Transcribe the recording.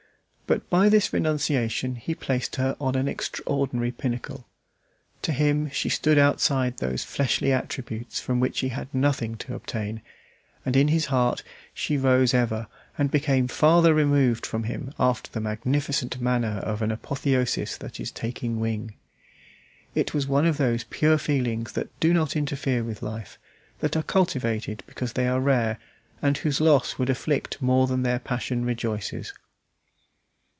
But by this renunciation he placed her on an extraordinary pinnacle. To him she stood outside those fleshly attributes from which he had nothing to obtain, and in his heart she rose ever, and became farther removed from him after the magnificent manner of an apotheosis that is taking wing. It was one of those pure feelings that do not interfere with life, that are cultivated because they are rare, and whose loss would afflict more than their passion rejoices.